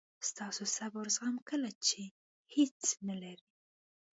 ستاسو صبر او زغم کله چې هیڅ نه لرئ.